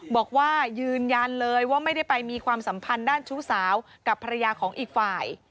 บอกว่ายืนยันเลยว่าไม่ได้ไปมีความสัมพันธ์ด้านชู้สาวกับภรรยาของอีกฝ่าย